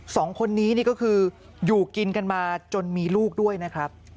สองคนนี้นี่ก็คืออยู่กินกันมาจนมีลูกด้วยนะครับ